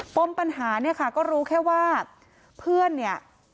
ปมปัญหาเนี่ยค่ะก็รู้แค่ว่าเพื่อนเนี่ย